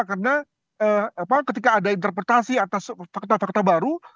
karena ketika ada interpretasi atas fakta fakta baru